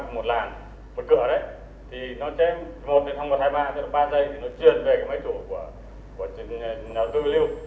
một làn một cửa đấy thì nó trên một một một hai ba ba giây thì nó chuyên về cái máy thủ của nhà tư lưu